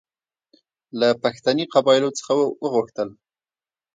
له پښتني قبایلو څخه وغوښتل.